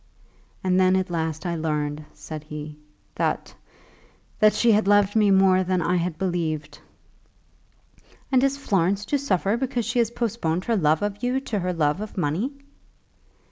"And then at last I learned," said he, "that that she had loved me more than I had believed." "And is Florence to suffer because she has postponed her love of you to her love of money?"